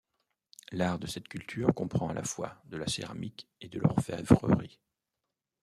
L'art de cette culture comprend à la fois de la céramique et de l'orfèvrerie.